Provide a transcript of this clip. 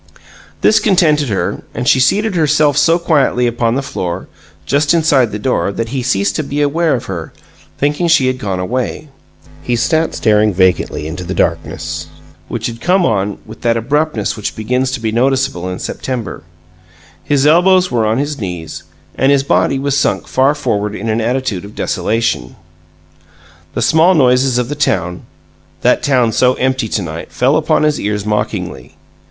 This contented her, and she seated herself so quietly upon the floor, just inside the door, that he ceased to be aware of her, thinking she had gone away. He sat staring vacantly into the darkness, which had come on with that abruptness which begins to be noticeable in September. His elbows were on his knees, and his body was sunk far forward in an attitude of desolation. The small noises of the town that town so empty to night fell upon his ears mockingly.